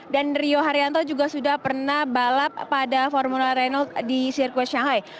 dan rio haryanto juga sudah pernah balap pada formula renault di sirkuit shanghai